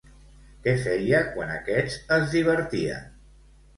Què feia quan aquests es divertien?